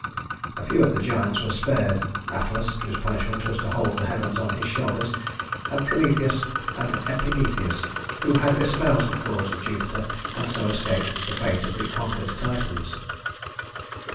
A few of the giants were spared: Atlas, whose punishment was to hold the heavens on his shoulders, and Prometheus and Epimetheus who had espoused the cause of Jupiter and so escaped the fate of the conquered Titans.